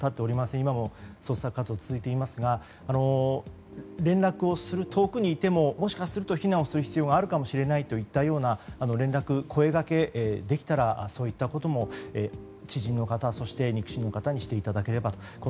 今も捜索活動が続いていますが連絡をする、遠くにいてももしかすると避難をする必要があるかもしれないという連絡、声がけできたらそういったことも知人の方、肉親の方にしていただければと思います。